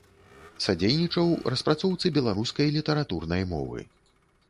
Садзейнічаў распрацоўцы беларускай літаратурнай мовы.